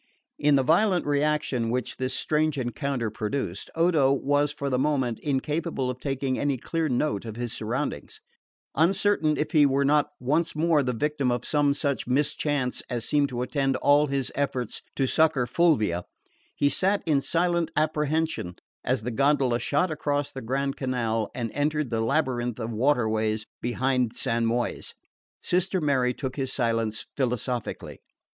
In the violent reaction which this strange encounter produced, Odo was for the moment incapable of taking any clear note of his surroundings. Uncertain if he were not once more the victim of some such mischance as seemed to attend all his efforts to succour Fulvia, he sat in silent apprehension as the gondola shot across the Grand Canal and entered the labyrinth of water ways behind San Moise. Sister Mary took his silence philosophically.